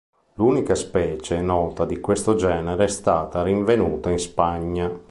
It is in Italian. L'unica specie oggi nota di questo genere è stata rinvenuta in Spagna.